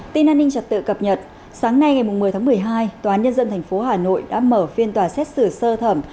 tin an ninh trật tự cập nhật sáng nay ngày một mươi tháng một mươi hai tòa nhân dân tp hà nội đã mở phiên tòa xét xử sơ thẩm